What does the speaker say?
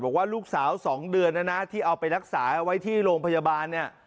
บอกว่าลูกสาว๒เดือนที่เอาไปรักษาไว้ที่โรงพยาบาล